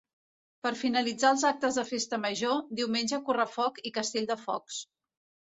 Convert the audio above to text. Per finalitzar els actes de festa major, diumenge correfoc i castell de focs.